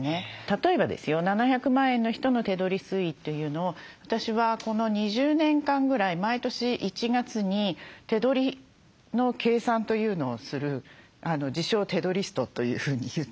例えばですよ７００万円の人の手取り推移というのを私はこの２０年間ぐらい毎年１月に手取りの計算というのをする自称「手取りスト」というふうに言っているんです。